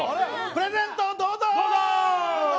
プレゼントどうぞ。